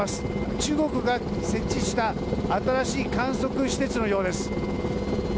中国が設置した新しい観測施設のようです。